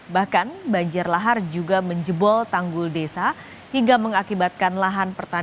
bahkan banjir lahar juga menjebol tanggul desa hingga mengakibatkan lahan pertanian